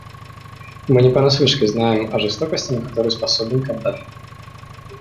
Мы не понаслышке знаем о жестокости, на которую способен Каддафи.